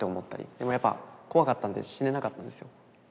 でもやっぱ怖かったんで死ねなかったんですよ。